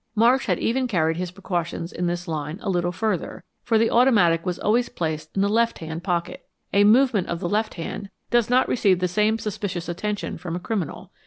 Marsh had even carried his precautions in this line a little further, for the automatic was always placed in the left hand pocket. A movement of the left hand does not receive the same suspicious attention from a criminal.